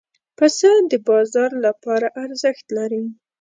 پسه د بازار لپاره ارزښت لري.